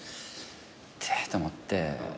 痛えと思って。